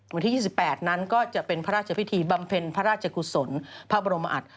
วันที่๒๘นั้นก็จะเป็นพระราชพิธีบำเพ็ญพระราชกุศลพระบรมอัตย์